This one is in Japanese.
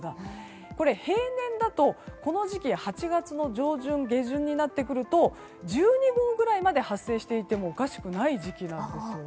平年だと、この時期８月の上旬・下旬になってくると１２個ぐらいまで発生していてもおかしくない時期です。